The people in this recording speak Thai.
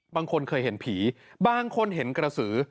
บางคนเคยเห็นผีบางคนเห็นกระสือ